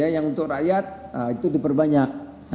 yang untuk rakyat itu diperbanyak